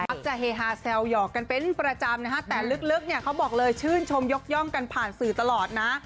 มักจะเฮฮาแซวหยอกกันเป็นประจำนะฮะแต่ลึกเนี่ยเขาบอกเลยชื่นชมยกย่องกันผ่านสื่อตลอดนะ